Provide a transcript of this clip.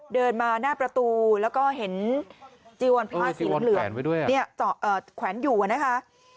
เดินมาหน้าประตูแล้วก็เห็นจิวันพิพาสหรือเหลือเนี่ยแขวนอยู่นะคะ